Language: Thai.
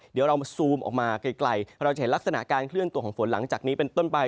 เดี๋ยวเรามาซูมออกมาไกลเราจะเห็นลักษณะการเคลื่อนตัวของฝนหลังจากนี้เป็นต้นไป